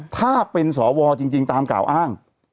ถ้าเป็นสวจริงตามกล่าวอ้าง